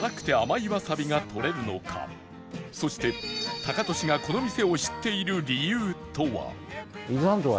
そしてタカトシがこの店を知っている理由とは？